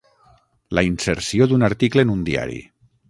La inserció d'un article en un diari.